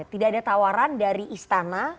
tidak ada tawaran dari istana